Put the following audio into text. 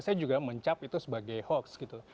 saya juga mencap itu sebagai hoax gitu